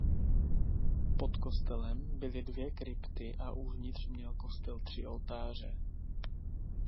Pod kostelem byly dvě krypty a uvnitř měl kostel tři oltáře.